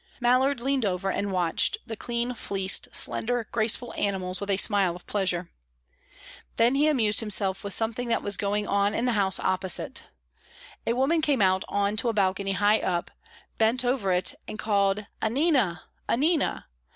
Mallard leaned over and watched the clean fleeced, slender, graceful animals with a smile of pleasure. Then he amused himself with something that was going on in the house opposite. A woman came out on to a balcony high up, bent over it, and called, "Annina! Annina!"